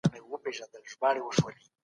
مطالعې ته پام کول تر میټینګونو ډېر مهم دی.